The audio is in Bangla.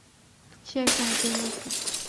সে একটা হাতিয়ার মাত্র।